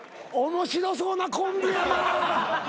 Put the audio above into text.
面白そうなコンビやなぁ。